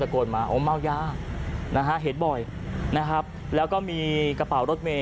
โกนมาโอ้เมายานะฮะเห็นบ่อยนะครับแล้วก็มีกระเป๋ารถเมย